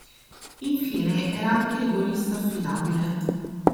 Infine era anche rigorista affidabile.